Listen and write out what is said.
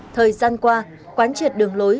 thời gian qua quán triệt đường lối